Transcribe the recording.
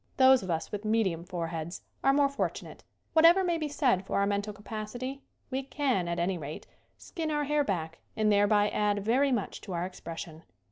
Those of us with medium foreheads are more fortunate. Whatever may be said for our mental capacity we can, at any rate, skin our hair back and thereby add very much to our expression.